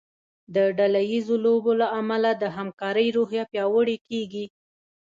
د ډله ییزو لوبو له امله د همکارۍ روحیه پیاوړې کیږي.